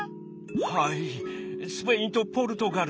「はいスペインとポルトガルと。